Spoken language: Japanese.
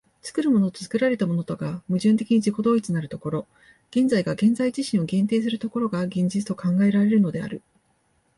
作るものと作られたものとが矛盾的に自己同一なる所、現在が現在自身を限定する所が、現実と考えられるのである。